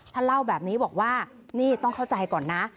ท่านเล่าแบบนี้บอกว่านี่ต้องเข้าใจก่อนนะ